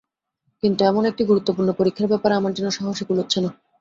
কিন্তু এমন একটি গুরুত্বপূর্ণ পরীক্ষার ব্যাপারে আমার যেন সাহসে কুলোচ্ছে না।